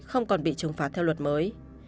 không còn bị trừng phạt theo luật mới